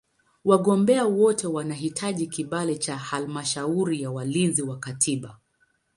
Wagombea wote wanahitaji kibali cha Halmashauri ya Walinzi wa Katiba.